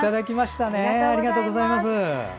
ありがとうございます。